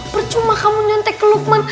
percuma kamu nyantek ke lukman